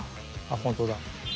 あっ本当だ。